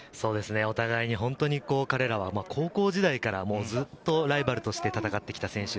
お互い本当に彼らは高校時代からずっとライバルとして戦ってきた選手。